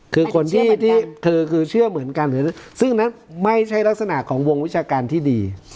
คือคนที่เธอคือเชื่อเหมือนกันซึ่งนั้นไม่ใช่ลักษณะของวงวิชาการที่ดี